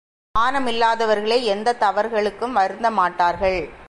மானம் இல்லாதவர்கள் எந்த தவறுகளுக்கும் வருந்தமாட்டார்கள்.